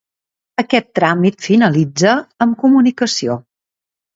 Aquest tràmit finalitza amb comunicació.